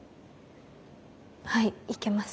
はい行けます。